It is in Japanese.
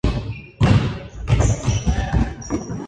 カーテンを閉める